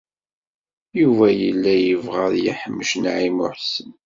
Yuba yella yebɣa ad yeḥmec Naɛima u Ḥsen.